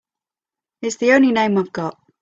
It's the only name I've got.